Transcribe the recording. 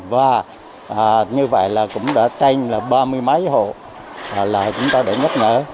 và như vậy là cũng đã tranh là ba mươi mấy hộ là chúng tôi đã nhắc nhở